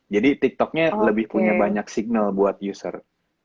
jadi tiktoknya lebih punya banyak signal buat user